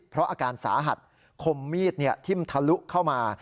เพราะอาการสาหัสคมมีดทิ่มทะลุเข้ามา